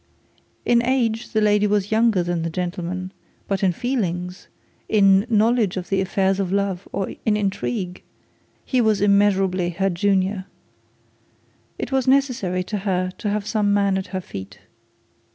In age the lady was younger than the gentleman; but in feelings, in knowledge of the affairs of love, in intrigue, he was immeasurably her junior. It was necessary to her to have some man at her feet.